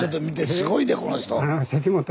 すごいでこの人。